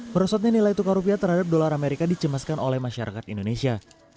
merosotnya nilai tukar rupiah terhadap dolar amerika dicemaskan oleh masyarakat indonesia